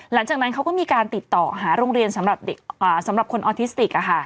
หลังจากนั้นเขาก็มีการติดต่อหาโรงเรียนสำหรับคนออทิสติก